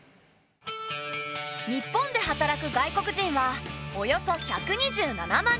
日本で働く外国人はおよそ１２７万人。